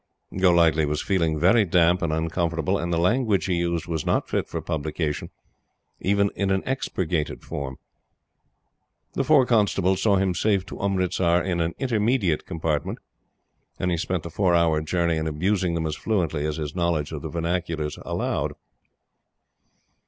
Golightly was feeling very damp and uncomfortable, and the language he used was not fit for publication, even in an expurgated form. The four constables saw him safe to Umritsar in an "intermediate" compartment, and he spent the four hour journey in abusing them as fluently as his knowledge of the vernaculars allowed.